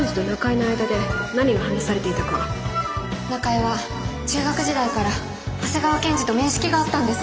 中江は中学時代から長谷川検事と面識があったんです。